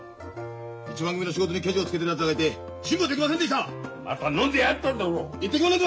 一番組の仕事にケチをつけてるやつらがいて辛抱できませんでした！